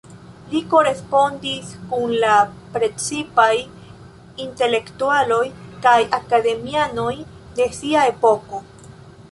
Li korespondis kun la precipaj intelektuloj kaj akademianoj de sia epoko.